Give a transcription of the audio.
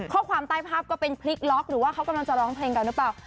ข้อความใต้ภาพก็เป็นพลิกล็อกหรือว่าเขากำลังจะร้องเพลงกันหรือเปล่า